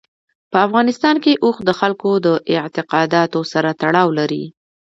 په افغانستان کې اوښ د خلکو د اعتقاداتو سره تړاو لري.